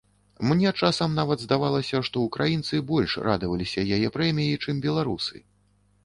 Мне часам нават здавалася, што ўкраінцы больш радаваліся яе прэміі, чым беларусы.